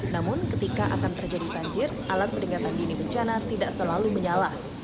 namun ketika akan terjadi banjir alat peringatan dini bencana tidak selalu menyala